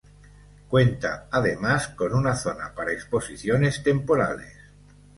Cuenta además con una zona para exposiciones temporales.